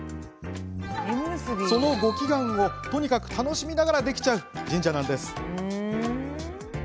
そのご祈願をとにかく楽しみながらできちゃう神社なんです。